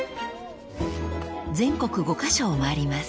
［全国５カ所を回ります］